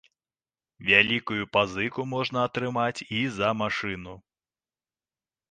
Вялікую пазыку можна атрымаць і за машыну.